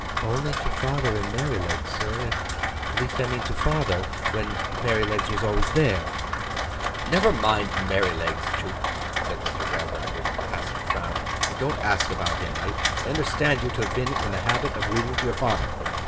'Only to father and Merrylegs, sir. At least I mean to father, when Merrylegs was always there.' 'Never mind Merrylegs, Jupe,' said Mr. Gradgrind, with a passing frown. 'I don't ask about him. I understand you to have been in the habit of reading to your father?